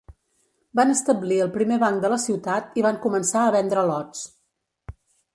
Van establir el primer banc de la ciutat i van començar a vendre lots.